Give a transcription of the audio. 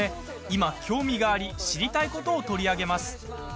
今、興味があり知りたいことを取り上げます。